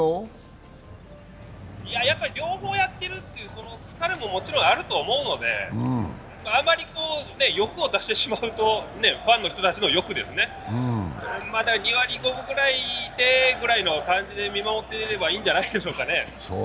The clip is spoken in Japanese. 両方やっているという疲れもあると思うのであまり欲を出してしまうとファン人たちの欲ですねまだ２割５分ぐらいでという感じで見守っていればいいんじゃないでしょうか。